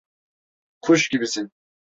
Kuş gibisin…